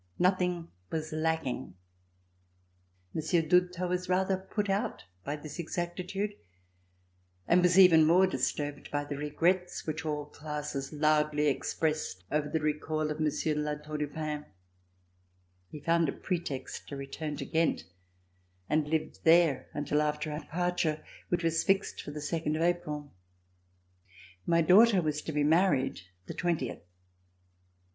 Nothing was lacking. Monsieur d'Houdetot was rather put out by this exactitude and was even more disturbed by the regrets which all classes loudly expressed over the recall of Monsieur de La Tour du Pin. He found a pretext to return to Ghent, and lived there until after our departure which was fixed for the second of April. My daughter was to be married the twentieth.